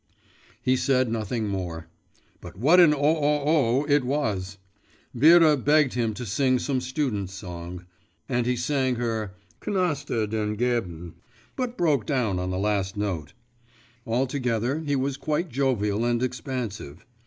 He said nothing more. But what an o oh oh! it was! Vera begged him to sing some students' song, and he sang her: 'Knaster, den gelben,' but broke down on the last note. Altogether he was quite jovial and expansive.